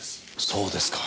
そうですか。